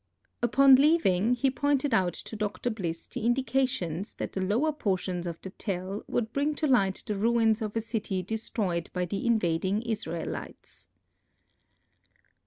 Upon leaving, he pointed out to Dr. Bliss the indications that the lower portions of the tel would bring to light the ruins of a city destroyed by the invading Israelites.